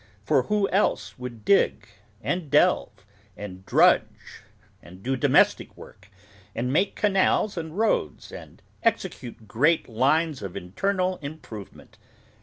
For who else would dig, and delve, and drudge, and do domestic work, and make canals and roads, and execute great lines of Internal Improvement!